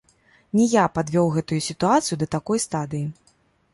Не я падвёў гэтую сітуацыю да такой стадыі.